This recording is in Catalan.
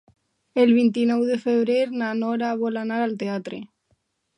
El vint-i-nou de febrer na Nora vol anar al teatre.